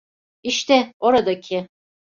İşte oradaki.